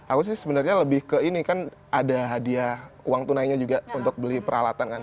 aku sih sebenarnya lebih ke ini kan ada hadiah uang tunainya juga untuk beli peralatan kan